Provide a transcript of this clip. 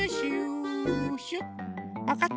わかった？